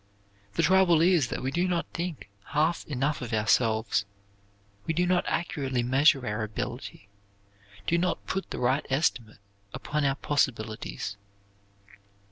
The trouble is that we do not think half enough of ourselves; do not accurately measure our ability; do not put the right estimate upon our possibilities.